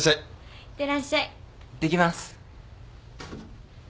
いってきます。